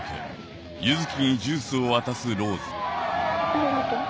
ありがとう。